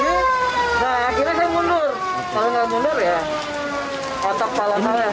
nah akhirnya saya mundur kalau nggak mundur ya otak pala